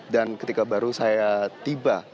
dan ketika baru saya tiba